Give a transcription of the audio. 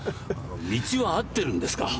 道は合ってるんですか？